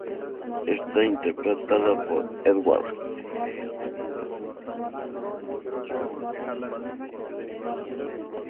Está interpretada por Edward G. Robinson, Loretta Young y el propio Welles.